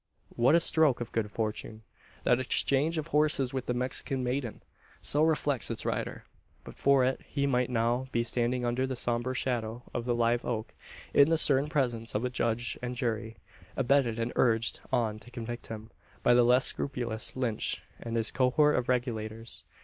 What a stroke of good fortune that exchange of horses with the Mexican maiden! So reflects its rider. But for it he might now be standing under the sombre shadow of the live oak, in the stern presence of a judge and jury, abetted and urged on to convict him, by the less scrupulous Lynch and his cohort of Regulators.